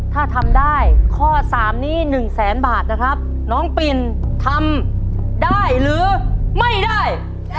ถ้าทำได้ข้อ๓นี้๑แสนบาทนะครับน้องปินทำได้หรือไม่ได้